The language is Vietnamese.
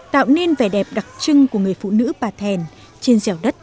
tạo nên vẻ đẹp đặc trưng của người phụ nữ bà thèn trên dẻo đất